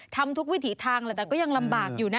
ทำทุกวิถีทางแหละแต่ก็ยังลำบากอยู่นะ